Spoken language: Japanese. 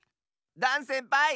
ダンせんぱい！